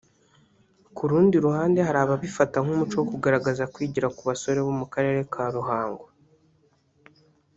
Ku rundi ruhande hari ababifata nk’umuco wo kugaragaza kwigira ku basore bo mu karere ka Ruhango